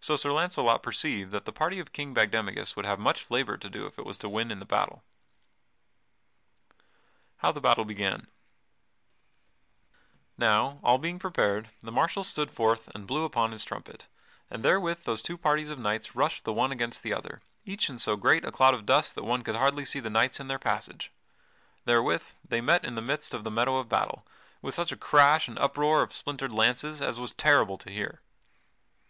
So Sir Launcelot perceived that that party of King Bagdemagus would have much labor to do if it was to win in the battle. [Sidenote: How the battle began] Now, all being prepared, the marshal stood forth and blew upon his trumpet, and therewith those two parties of knights rushed the one against the other, each in so great a cloud of dust that one could hardly see the knights in their passage. Therewith they met in the midst of the meadow of battle, with such a crash and uproar of splintered lances as was terrible to hear.